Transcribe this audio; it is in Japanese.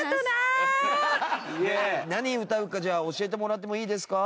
何歌うかじゃあ教えてもらってもいいですか？